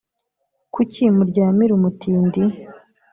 kucyi muryamira umutindi